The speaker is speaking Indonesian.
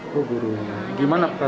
terus diundang ini